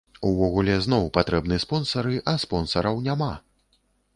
Увогуле, зноў патрэбны спонсары, а спонсараў няма!